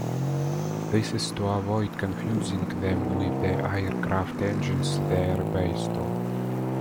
This is to avoid confusing them with the aircraft engines they are based on.